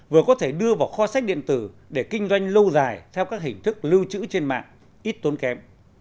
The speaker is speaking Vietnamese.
vừa có thể đưa vào kho sách điện tử để kinh doanh lâu dài theo các hình thức lưu trữ trên mạng ít tốn kém